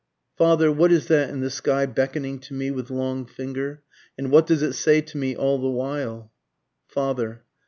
_ Father what is that in the sky beckoning to me with long finger? And what does it say to me all the while? _Father.